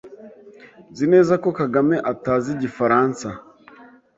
Nzi neza ko Kagame atazi Igifaransa.